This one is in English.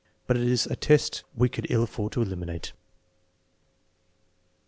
But it is a test we could ill afford to eliminate.